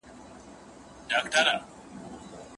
په خپله خر نه لري د بل پر آس خاندي.